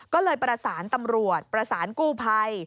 ก็เลยประสานตำรวจประสานกู้ภัย